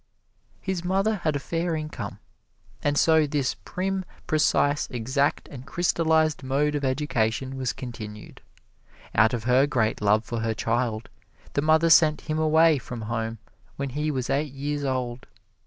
His mother had a fair income, and so this prim, precise, exact and crystallized mode of education was continued. Out of her great love for her child, the mother sent him away from home when he was eight years old.